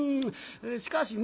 しかしね